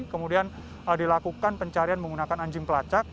kemudian dilakukan pencarian menggunakan anjing pelacak